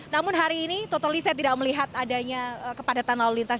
namun hari ini totally saya tidak melihat adanya kepadatan lalu lintas